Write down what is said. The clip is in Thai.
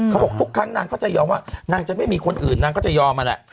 เขาบอกทุกครั้งนางก็จะยอมว่านางจะไม่มีคนอื่นนางก็จะยอมนั่นแหละ